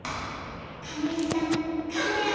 「駕籠屋さん駕籠屋さん！」。